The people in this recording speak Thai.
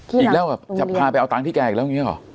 อีกแล้วแบบจะพาไปเอาตังค์ที่แกอีกแล้วอย่างนี้หรอ